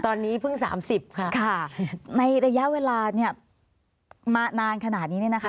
ตอนนี้เพิ่ง๓๐ค่ะในระยะเวลามานานขนาดนี้เนี่ยนะคะ